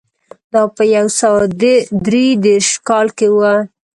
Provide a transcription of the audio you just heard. دا په یو سوه درې دېرش کال کې و